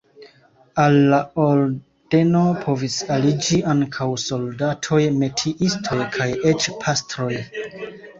Al la ordeno povis aliĝi ankaŭ soldatoj, metiistoj kaj eĉ pastroj.